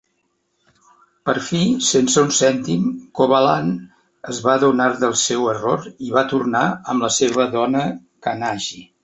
Per fi, sense un cèntim, Kovalan es va adonar del seu error i va tornar amb la seva dona Kannagi.